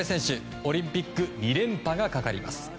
オリンピック２連覇がかかります。